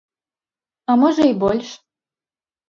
А можа, і больш.